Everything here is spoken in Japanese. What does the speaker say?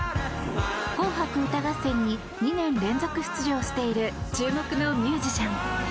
「紅白歌合戦」に２年連続出場している注目のミュージシャン。